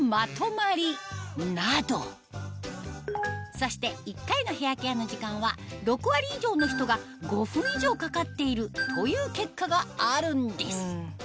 そして１回のヘアケアの時間は６割以上の人が５分以上かかっているという結果があるんです